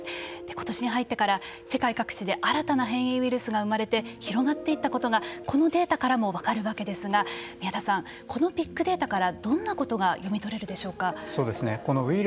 ことしに入ってから世界各地で新たな変異ウイルスが生まれて広がっていったことがこのデータからも分かるわけですが宮田さん、このビッグデータからどんなことが読み取れるでしょうか。